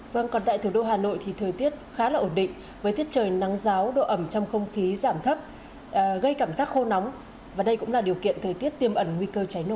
vâng còn tại thủ đô hà nội thì thời tiết khá là ổn định với thiết trời nắng giáo độ ẩm trong không khí giảm thấp gây cảm giác khô nóng và đây cũng là điều kiện thời tiết tiêm ẩn nguy cơ cháy nổ